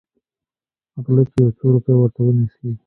غله چې يو څو روپۍ ورته ونيسي.